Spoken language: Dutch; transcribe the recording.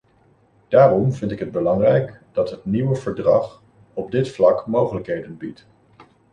Daarom vind ik het belangrijk dat het nieuwe verdrag op dit vlak mogelijkheden biedt.